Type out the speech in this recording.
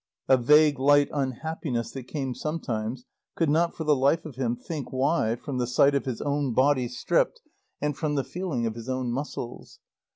A vague, light unhappiness that came sometimes, could not for the life of him think why, from the sight of his own body stripped, and from the feeling of his own muscles.